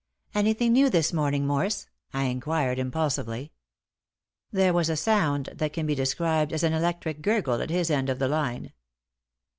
"Anything new this morning, Morse?" I inquired, impulsively. There was a sound that can be described as an electric gurgle at his end of the line.